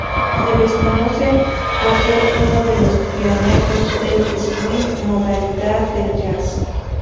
Se les conoce por ser uno de los pioneros del swing, modalidad del jazz.